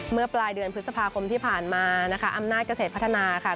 เมื่อปลายเดือนพฤษภาคมที่ผ่านมานะคะอำนาจเกษตรพัฒนาค่ะ